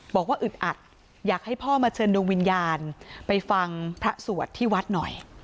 อึดอัดอยากให้พ่อมาเชิญดวงวิญญาณไปฟังพระสวดที่วัดหน่อย